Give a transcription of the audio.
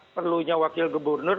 perlunya wakil gubernur